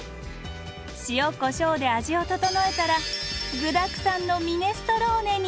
塩こしょうで味を調えたら具だくさんのミネストローネに。